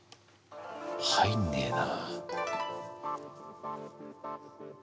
入んねえな。